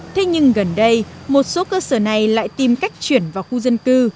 thế nhưng gần đây một số cơ sở này lại tìm cách chuyển vào khu dân cư